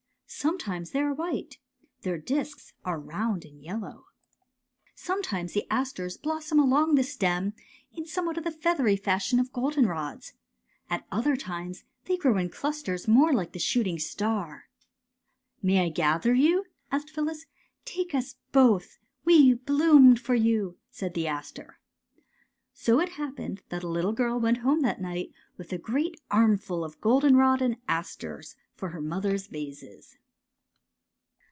Sometimes they are white. Their discs are round and yellow. 214 GOLDENROD AND ASTER *' Sometimes the asters blossom along the stem in somewhat the feathery fashion of goldenrods. At other times they grow in clus ters more like the shooting star." '' May I gather you? " asked Phyllis. '' Take us both. We bloomed for you," said the aster. So it happened that a little girl went home that night with a great armful of goldenrod and asters for her mother's vases.